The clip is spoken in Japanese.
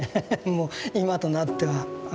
もう今となっては。